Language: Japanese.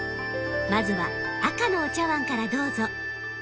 まずは赤のお茶碗からどうぞ。